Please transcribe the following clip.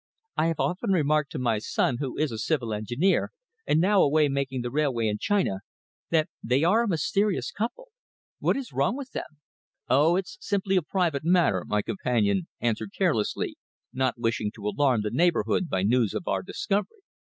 I have often remarked to my son, who is a civil engineer, and now away making the railway in China, that they are a mysterious couple. What is wrong with them?" "Oh, it's simply a private matter," my companion answered carelessly, not wishing to alarm the neighbourhood by news of our discovery.